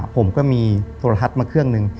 ผมก็มีโทรทัศน์มาเครื่องหนึ่ง